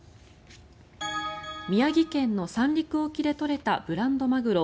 宮城県の三陸沖で取れたブランドマグロ